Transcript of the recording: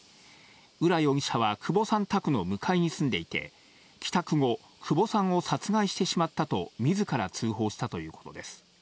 浦容疑者は久保さん宅の向かいに住んでいて、帰宅後、久保さんを殺害してしまったと、みずから通報したということです。